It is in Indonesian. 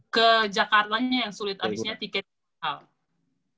ke jakartanya yang sulit abisnya tiketnya mahal